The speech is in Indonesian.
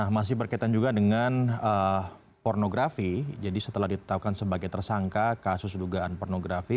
masih berkaitan juga dengan pornografi jadi setelah ditetapkan sebagai tersangka kasus dugaan pornografi